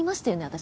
私。